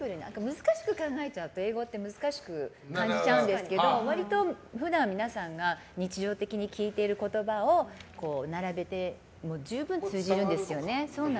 難しく考えちゃうと、英語って難しく感じちゃうんですけど割と普段皆さんが日常的に聞いてる言葉を並べても十分通じるんですよね。